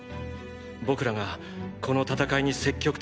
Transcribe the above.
僕らがこの戦いに積極的になるのを。